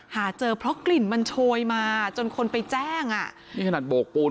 หาเจอเพราะกลิ่นมันโชยมาจนคนไปแจ้งอ่ะนี่ขนาดโบกปูน